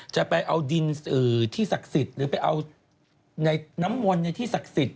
จะเอาดินที่ศักดิ์สิทธิ์หรือไปเอาในน้ำมนต์ในที่ศักดิ์สิทธิ